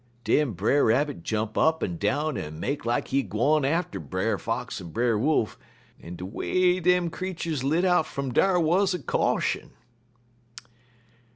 "Den Brer Rabbit jump up en down en make lak he gwine atter Brer Fox en Brer Wolf, en de way dem creeturs lit out fum dar wuz a caution.